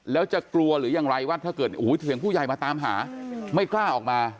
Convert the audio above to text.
แล้วจะกลัวหรือยังไรว่าถ้าเกิดเสียงผู้ใหญ่มาตามหาไม่กล้าออกมา